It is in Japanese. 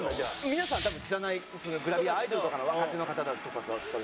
皆さん多分知らないグラビアアイドルとかの若手の方とかだったり。